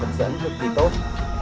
vật dẫn thật kỳ tốt